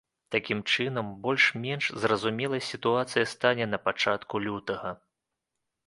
Такім чынам, больш-менш зразумелай сітуацыя стане на пачатку лютага.